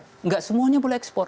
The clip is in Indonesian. tidak semuanya boleh ekspor